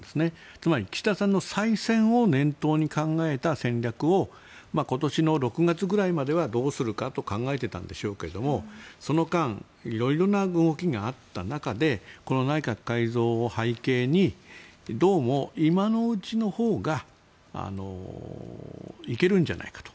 つまり岸田さんの再選を念頭に考えた戦略を今年の６月くらいまではどうするかと考えていたんでしょうけどその間、色々な動きがあった中でこの内閣改造を背景にどうも今のうちのほうがいけるんじゃないかと。